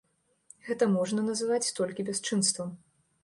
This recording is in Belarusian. Гэта можна назваць толькі бясчынствам.